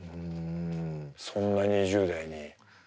そんな２０代に。